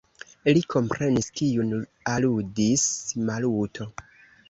Li komprenis, kiun aludis Maluto.